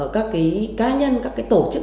các cái cá nhân các cái tổ chức